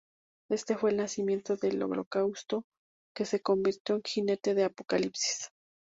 Este fue el nacimiento del Holocausto, que se convirtió en Jinete de Apocalipsis.